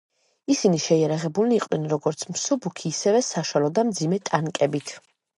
ისინი შეიარაღებულნი იყვნენ როგორც მსუბუქი ისევე საშუალო და მძიმე ტანკებით.